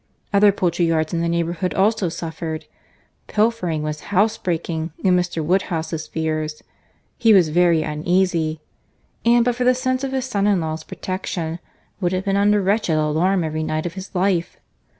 Other poultry yards in the neighbourhood also suffered.—Pilfering was housebreaking to Mr. Woodhouse's fears.—He was very uneasy; and but for the sense of his son in law's protection, would have been under wretched alarm every night of his life.